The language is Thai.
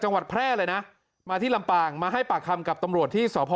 จังหวัดแพร่เลยนะมาที่ลำปางมาให้ปากคำกับตำรวจที่สพ